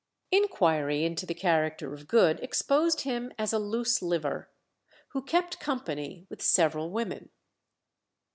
Inquiry into the character of Good exposed him as a loose liver, who "kept company" with several women.